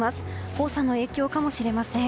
黄砂の影響かもしれません。